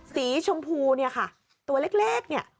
สีชมพูเนี่ยค่ะตัวเล็กเนี่ย